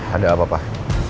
ada apa pak